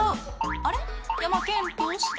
あれ？